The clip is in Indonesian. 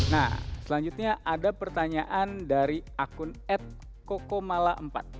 nah selanjutnya ada pertanyaan dari akun ad kokomala empat